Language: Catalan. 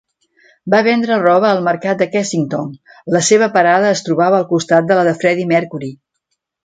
Va vendre roba al mercat de Kensington; la seva parada es trobava al costat de la de Freddie Mercury.